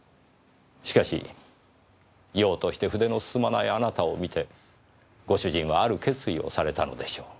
しかしようとして筆の進まないあなたを見てご主人はある決意をされたのでしょう。